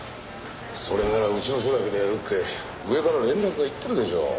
それならうちの署だけでやるって上から連絡がいってるでしょう。